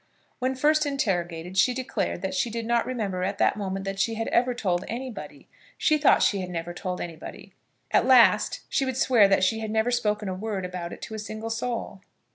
When first interrogated, she declared that she did not remember, at that moment, that she had ever told anybody; she thought she had never told anybody; at last, she would swear that she had never spoken a word about it to a single soul.